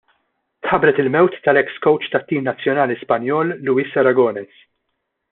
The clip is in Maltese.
Tħabbret il-mewt tal-eks kowċ tat-tim nazzjonali Spanjol Luis Aragones.